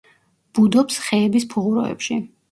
ბუდობს ხეების ფუღუროებში.